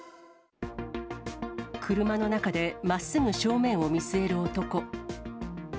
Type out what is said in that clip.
車の中でまっすぐ正面を見据える男。